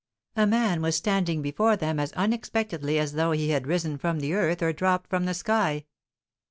A man was standing before them as unexpectedly as though he had risen from the earth or dropped from the sky.